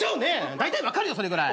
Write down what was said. だいたい分かるよそれぐらい。